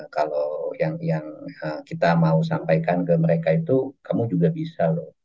kalau yang kita mau sampaikan ke mereka itu kamu juga bisa loh